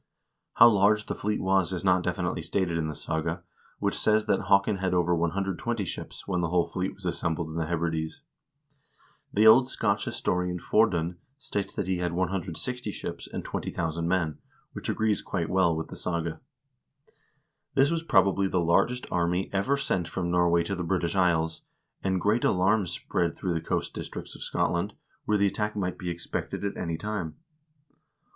How large the fleet was is not definitely stated in the saga, which says that "Haakon had over 120 ships" when the whole fleet was assembled in the Hebrides. The old Scotch historian Fordun states that he had 160 ships and 20,000 men,2 which agrees quite well with the saga. This was probably the largest army ever sent from Norway to the British Isles, and great alarm spread through the coast districts of Scotland, where the attack might be expected at any time.